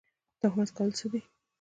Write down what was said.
تهمت کول څه دي؟